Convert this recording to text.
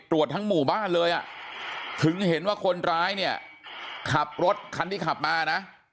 ทั้งหมู่บ้านเลยอ่ะถึงเห็นว่าคนร้ายเนี่ยขับรถคันที่ขับมานะ